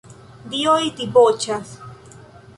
Dioj diboĉas.